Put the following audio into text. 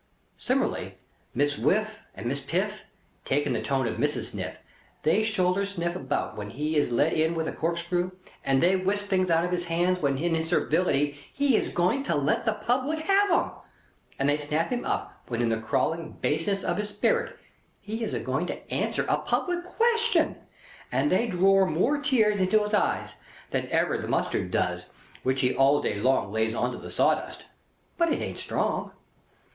Similarly, Miss Whiff and Miss Piff; taking the tone of Mrs. Sniff, they shoulder Sniff about when he is let in with a corkscrew, and they whisk things out of his hands when in his servility he is a going to let the public have 'em, and they snap him up when in the crawling baseness of his spirit he is a going to answer a public question, and they drore more tears into his eyes than ever the mustard does which he all day long lays on to the sawdust. (But it ain't strong.)